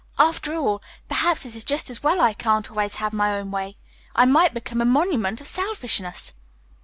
"After all, perhaps it is just as well I can't always have my own way. I might become a monument of selfishness."